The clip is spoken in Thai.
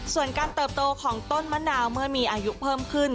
ส่วนการเติบโตของต้นมะนาวเมื่อมีอายุเพิ่มขึ้น